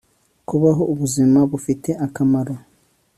kubaho ubuzima bufite akamaro